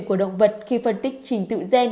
của động vật khi phân tích trình tựu gen